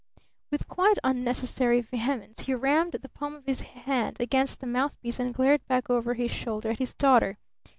With quite unnecessary vehemence he rammed the palm of his hand against the mouth piece and glared back over his shoulder at his daughter.